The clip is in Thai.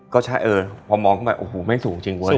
ก็ใช่พอมองขึ้นไปโอ้โหไม่สูงจริง